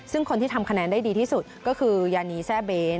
ซึ่งคนที่ทำคะแนนได้ดีที่สุดก็คือยานีแซ่เบน